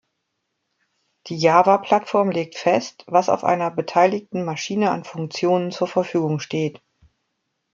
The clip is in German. Die Java-Plattform legt fest, was auf einer beteiligten Maschine an Funktionen zur Verfügung steht.